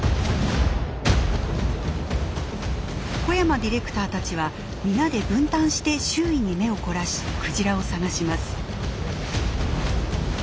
小山ディレクターたちは皆で分担して周囲に目を凝らしクジラを探します。